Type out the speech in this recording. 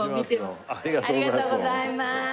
ありがとうございますどうも。